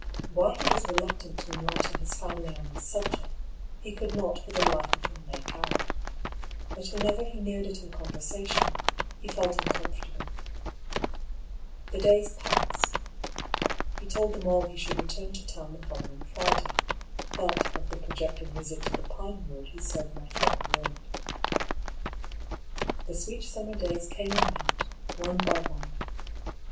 Why he was reluctant to enlighten his family on this subject, he could not for the life of him make oui 24 DR. PAULUS THEORY. But whenever he neared it in conversation, he felt un comfortable. The days passed. He told them all he should return to town the following Friday. But of the projected visit to the Pinewood he said not one word. The sweet summer days came and went, one by one.